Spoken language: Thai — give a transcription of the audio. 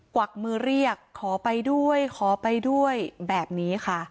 วักมือเรียกขอไปด้วยขอไปด้วยแบบนี้ค่ะ